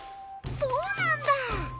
そうなんだ！